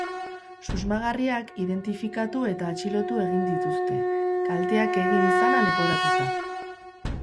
Susmagarriak identifikatu eta atxilotu egin dituzte, kalteak egin izana leporatuta.